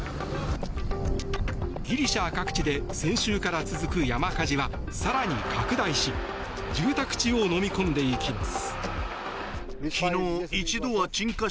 ギリシャ各地で先週から続く山火事は更に拡大し住宅地をのみ込んでいきます。